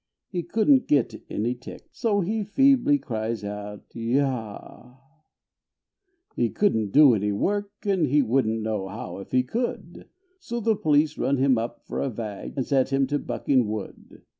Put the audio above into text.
He couldn't get any tick So he feebly cries out "yah"! He couldn't do any work And he wouldn't know how if he could; So the police run him for a vag And set him to bucking wood.